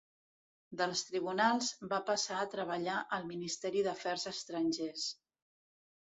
Dels tribunals, va passar a treballar al Ministeri d'Afers Estrangers.